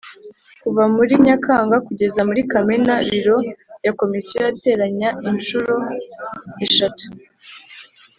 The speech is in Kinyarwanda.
Kuva muri Nyakanga kugeza muri Kamena biro ya Komisiyo yateranye inshuro eshatu